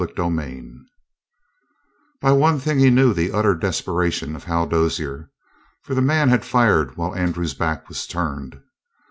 CHAPTER 31 By one thing he knew the utter desperation of Hal Dozier. For the man had fired while Andrew's back was turned.